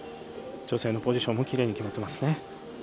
女性のポジションもきれいに決まってますね。